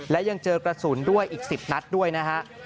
และยังเจอกระสุนด้วยอีก๑๐นัดด้วยนะฮะ